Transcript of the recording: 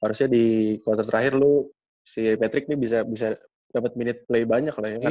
harusnya di quarter terakhir lu si patrick nih bisa dapet minute play banyak loh ya